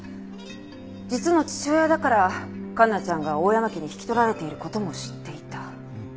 実の父親だから環奈ちゃんが大山家に引き取られている事も知っていた。